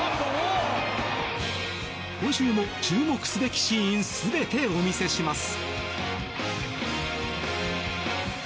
今週も注目すべきシーン全てお見せします。